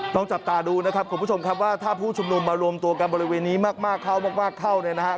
ต้องจับตาดูนะครับคุณผู้ชมครับว่าถ้าผู้ชุมนุมมารวมตัวกันบริเวณนี้มากเข้ามากเข้าเนี่ยนะครับ